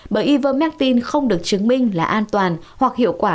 bởi ivermectin không được chứng minh là an toàn hoặc hiệu quả